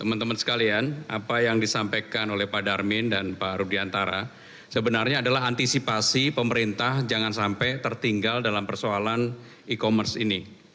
teman teman sekalian apa yang disampaikan oleh pak darmin dan pak rudiantara sebenarnya adalah antisipasi pemerintah jangan sampai tertinggal dalam persoalan e commerce ini